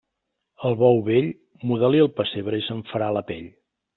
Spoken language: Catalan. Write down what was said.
Al bou vell, muda-li el pessebre i se'n farà la pell.